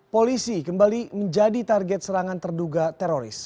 polisi kembali menjadi target serangan terduga teroris